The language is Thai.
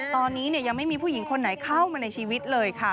ตอนนี้ยังไม่มีผู้หญิงคนไหนเข้ามาในชีวิตเลยค่ะ